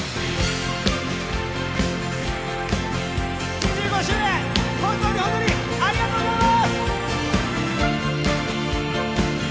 ２５周年、本当に本当にありがとうございます！